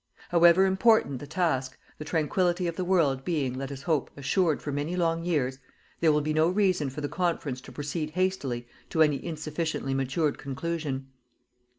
However important the task, the tranquility of the world being, let us hope, assured for many long years, there will be no reason for the Conference to proceed hastily to any insufficiently matured conclusion.